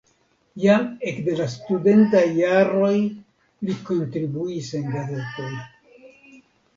Jam ekde la studentaj jaroj li kontribuis en gazetoj.